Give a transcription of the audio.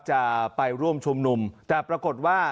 จะไปร่วมชุมนุมแต่ปรากฏว่า